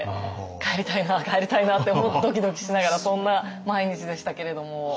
帰りたいな帰りたいなってドキドキしながらそんな毎日でしたけれども。